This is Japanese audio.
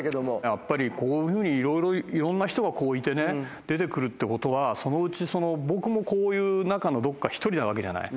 やっぱりこういうふうにいろんな人がいて出て来るってことはそのうち僕もこういう中のどっか１人なわけじゃない？